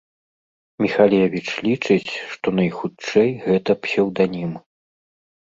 Міхалевіч лічыць, што найхутчэй гэта псеўданім.